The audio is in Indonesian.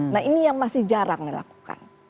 nah ini yang masih jarang dilakukan